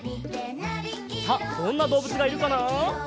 さあどんなどうぶつがいるかな？